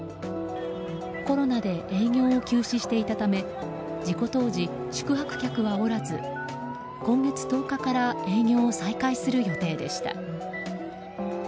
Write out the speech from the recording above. コロナで営業を休止していたため事故当時、宿泊客はおらず今月１０日から営業を再開する予定でした。